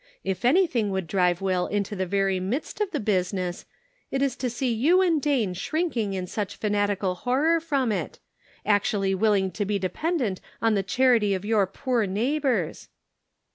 If anything would drive Will into the very midst of the business, it 442 The Pocket Measure. is to see you and Dane shrinking in such fanatical horror from it : actually willing to be dependent on the charity of your poor neighbors